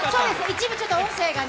一部音声がね。